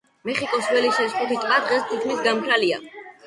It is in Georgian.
მეხიკოს ველის ეს ხუთი ტბა დღეს თითქმის გამქრალია.